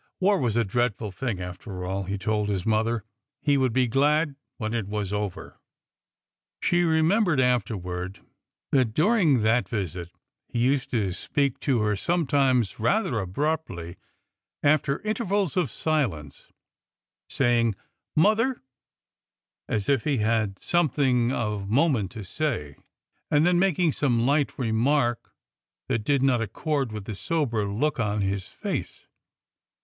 War was a dreadful thing, after all, he told his mother,— he would be glad when it was over. 244 ORDER NO. 11 She remembered, afterward, that during that visit he used to speak to her sometimes rather abruptly, after in tervals of silence, saying, '' Mother," as if he had some thing of moment to say, and then making some light re mark that did not accord with the sober look on his face.